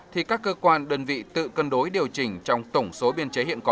thì các cơ quan đơn vị tự cân đối điều chỉnh trong tổng số biên chế hiện có